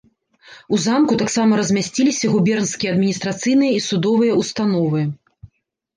У замку таксама размясціліся губернскія адміністрацыйныя і судовыя ўстановы.